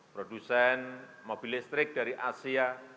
produsen mobil listrik dari asia